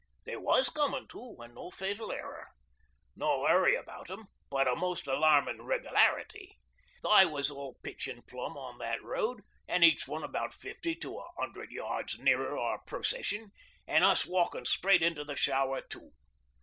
'They was comin' too, an' no fatal error. No hurry about 'em, but a most alarmin' regularity. They was all pitchin' plumb on that road, an' each one about fifty to a hundred yards nearer our procession, an' us walkin' straight into the shower too.